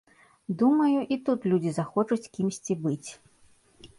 Думаю, і тут людзі захочуць кімсьці быць.